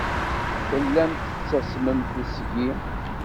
Tellamt tettasmemt seg-i.